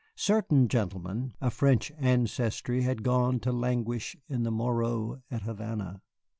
Certain gentlemen of French ancestry had gone to languish in the Morro at Havana.